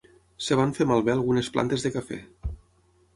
Es van fer malbé algunes plantes de cafè.